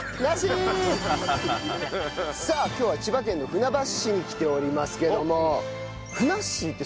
さあ今日は千葉県の船橋市に来ておりますけれどもふなっ